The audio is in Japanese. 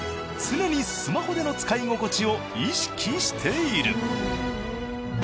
常にスマホでの使い心地を意識している。